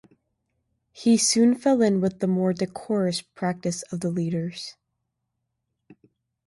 He soon fell in with the more decorous practice of the leaders.